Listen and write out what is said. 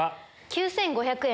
９５００円。